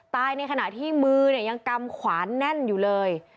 ตายในขณะที่มือยังกำคว้านแน่นอยู่เลย